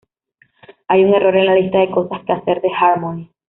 Hay un error en la lista de "cosas que hacer" de Harmony.